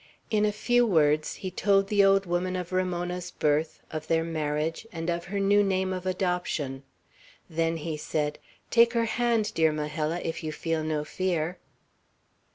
In a few words he told the old woman of Ramona's birth, of their marriage, and of her new name of adoption; then he said, "Take her hand, dear Majella, if you feel no fear."